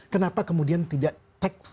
kenapa kemudian tidak tax